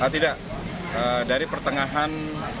tidak dari pertengahan